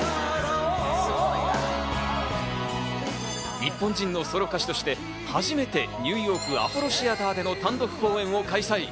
日本人のソロ歌手として初めてニューヨーク、アポロ・シアターでの単独公演を開催。